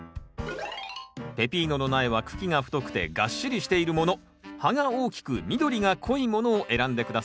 ペピーノの苗は茎が太くてがっしりしているもの葉が大きく緑が濃いものを選んで下さい。